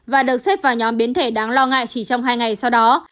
và được xếp vào nhóm biến thể đáng lo ngại chỉ trong hai ngày sau đó